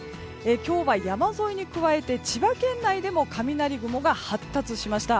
今日は山沿いに加えて千葉県内でも雷雲が発達しました。